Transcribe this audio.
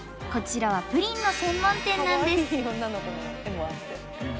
こちらはプリンの専門店なんです。